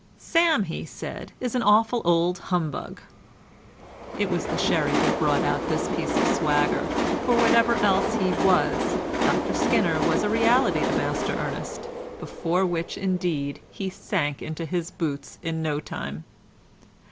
"Sam," he said, "is an awful old humbug." It was the sherry that brought out this piece of swagger, for whatever else he was Dr Skinner was a reality to Master Ernest, before which, indeed, he sank into his boots in no time.